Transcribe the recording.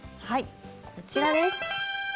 はいこちらです。